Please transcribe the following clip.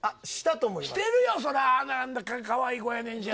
してるよそらかわいい子やねん。